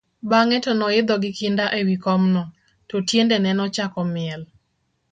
bang'e to noidho gi kinda e wi kom no, to tiendene nochako miel